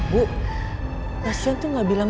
bu pasien tuh gak bilang